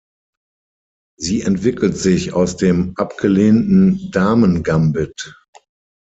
Sie entwickelt sich aus dem abgelehnten Damengambit.